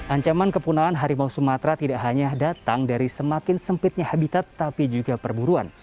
ancaman kepunahan harimau sumatera tidak hanya datang dari semakin sempitnya habitat tapi juga perburuan